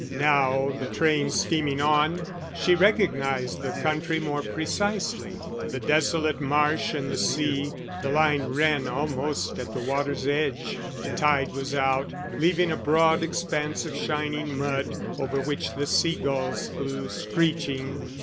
Now, the train steaming on, she recognised the country more precisely, the desolate marsh and the sea the line ran almost at the water's edge; the tide was out, leaving a broad expanse of shining mud, over which the seagulls flew, screeching.